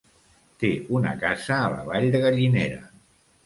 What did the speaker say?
Té una casa a la Vall de Gallinera.